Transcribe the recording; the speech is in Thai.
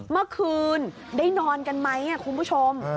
เมื่อคืนได้ยังนอนกันไหมเอ๊ะคุณผู้ชมอ้อ